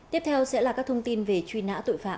tiếp theo sẽ là các thông tin về truy nã tội phạm